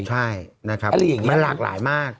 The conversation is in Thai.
ใช่มันหลากหลายมาก